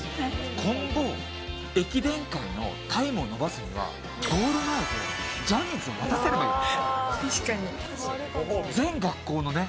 今後、駅伝界のタイムを伸ばすにはゴールのジャニーズを待たせればいいのね。